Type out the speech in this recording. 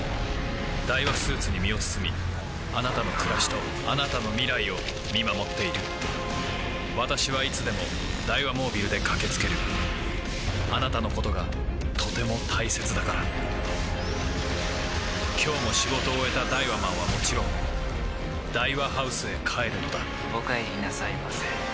ダイワスーツに身を包みあなたの暮らしとあなたの未来を見守っている私はいつでもダイワモービルで駆け付けるあなたのことがとても大切だから今日も仕事を終えたダイワマンはもちろんダイワハウスへ帰るのだお帰りなさいませ。